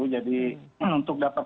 jadi untuk dapat